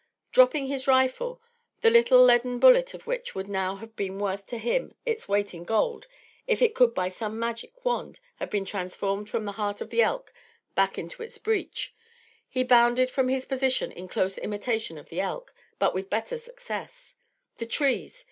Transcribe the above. Dropping his rifle, the little leaden bullet of which would now have been worth to him its weight in gold if it could by some magic wand have been transferred from the heart of the elk back into its breech, he bounded from his position in close imitation of the elk, but with better success. The trees!